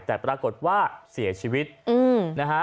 แต่ปรากฏว่าเสียชีวิตนะฮะ